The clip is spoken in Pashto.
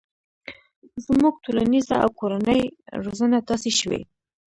زموږ ټولنیزه او کورنۍ روزنه داسې شوي